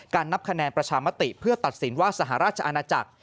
นับคะแนนประชามติเพื่อตัดสินว่าสหราชอาณาจักร